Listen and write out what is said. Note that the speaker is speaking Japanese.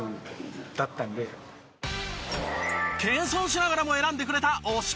謙遜しながらも選んでくれた推し